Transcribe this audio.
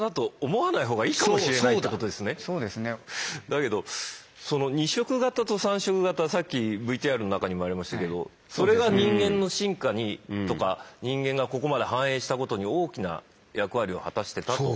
だけどその２色型と３色型さっきＶＴＲの中にもありましたけどそれが人間の進化にとか人間がここまで繁栄したことに大きな役割を果たしてたと。